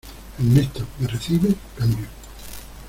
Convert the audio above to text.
Ernesto, ¿ me recibes? cambio.